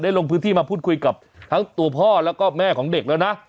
ลงพื้นที่มาพูดคุยกับทั้งตัวพ่อแล้วก็แม่ของเด็กแล้วนะ